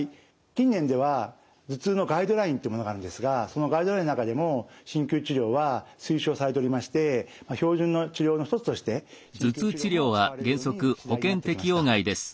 近年では頭痛のガイドラインってものがあるんですがそのガイドラインの中でも鍼灸治療は推奨されておりまして標準の治療の一つとして鍼灸治療も使われるように次第になってきました。